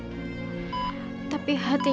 oke aku jalan